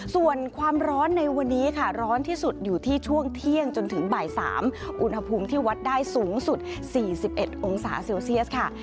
ส่วนความร้อนในวันนี้ค่ะร้อนที่สุดอยู่ที่ช่วงเที่ยงจนถึงบ่าย๓อุณหภูมิที่วัดได้สูงสุด๔๑องศาเซลเซียสค่ะ